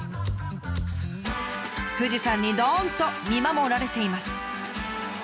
富士山にどんと見守られています。